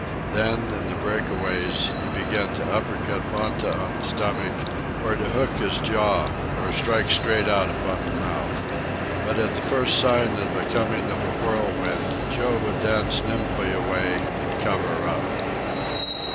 Then, in the breakaways, he began to uppercut Ponta on the stomach, or to hook his jaw or strike straight out upon the mouth. But at first sign of a coming of a whirlwind, Joe would dance nimbly away and cover up.